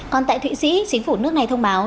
còn tại thụy sĩ chính phủ nước này thông báo